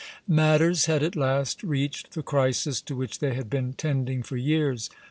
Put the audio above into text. Matters had at last reached the crisis to which they had been tending for years.